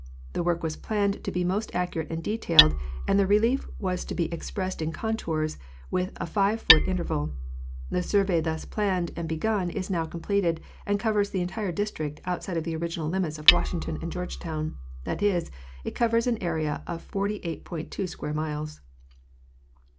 The work was planned to be most accurate and detailed, and the relief was to be expressed in contours, with a five foot interval. The survey thus planned and begun is now completed, and covers the entire District outside the original limits of Washing ton and Georgetown—that is, it covers an area of 48.2 square miles.